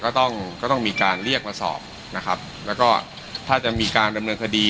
ก็ต้องก็ต้องมีการเรียกมาสอบนะครับแล้วก็ถ้าจะมีการดำเนินคดี